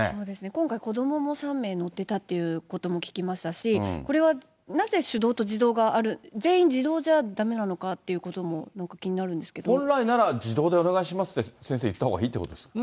今回、子どもも３名乗ってたということも聞きましたし、これはなぜ手動と自動がある、全員自動じゃだめなのかと本来なら自動でお願いしますって、先生、言ったほうがいいということですか。